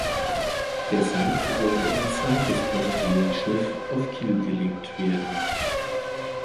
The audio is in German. Deshalb sollte ein zweites Passagierschiff auf Kiel gelegt werden.